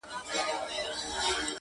• مېله وال د شاله مار یو ګوندي راسي -